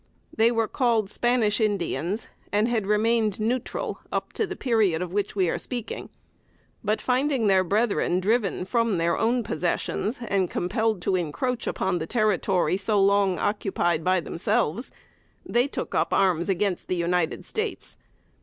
They were called Spanish Indians, and had remained neutral up to the period of which we are speaking; but finding their brethren driven from their own possessions, and compelled to encroach upon the territory so long occupied by themselves, they took up arms against the United States.